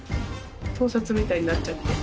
盗撮みたいになっちゃって。